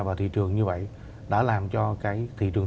vào thị trường bán lẻ của mình